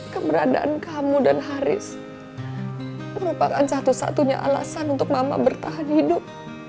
keberadaan kamu dan haris merupakan satu satunya alasan untuk mama bertahan hidup